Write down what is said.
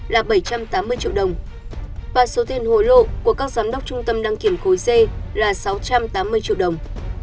là bảy trăm tám mươi triệu đồng và số tiền hối lộ của các giám đốc trung tâm đăng kiểm khối c là sáu trăm tám mươi triệu đồng